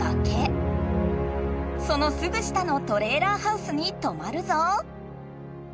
そのすぐ下のトレーラーハウスにとまるぞ。